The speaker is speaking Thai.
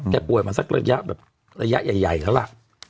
ป่วยมาสักระยะแบบระยะใหญ่แล้วล่ะ